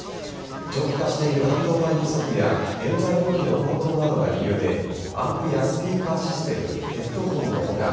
長期化している半導体不足や原材料費の高騰などが理由でアンプやスピーカーシステムヘッドホンの他